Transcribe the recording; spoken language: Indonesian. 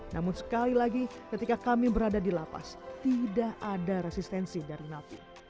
namun sekali lagi ketika kami berada di lapas tidak ada resistensi dari napi